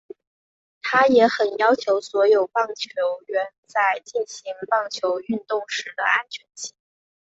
他也很要求所有棒球员在进行棒球运动时的安全性。